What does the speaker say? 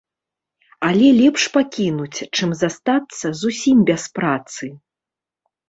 Але лепш пакінуць, чым застацца зусім без працы.